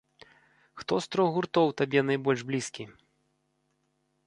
Хто з трох гуртоў табе найбольш блізкі?